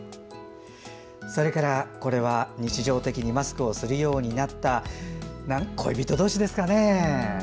そして、これは日常的にマスクをするようになった恋人同士ですかね。